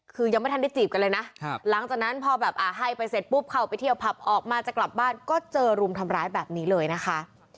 คือยังไม่ทันได้จีบกันเลยนะหลังจากนั้นพอแบบให้ไปเสร็จปุ๊บเข้าไปเที่ยวผับออกมาจะกลับบ้านก็เจอรุมทำร้ายแบบนี้เลยนะคะ